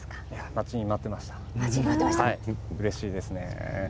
待ちに待っていましたうれしいです。